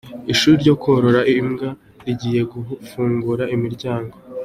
Ishuri ryo korora imbwa rigiye gufungura imiryango.